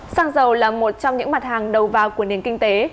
xăng dầu là một trong những mặt hàng đầu vào của nền kinh tế